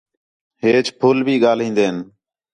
ہیچ پُھل بھی ڳاہلین٘دِن